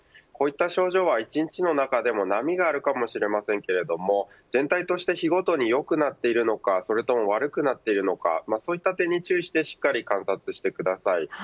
こういった症状は一日の中でも波があるかもしれませんけれど全体として日ごとに良くなっているのかそれとも悪くなってるのかそういった点に注意してしっかり観察してください。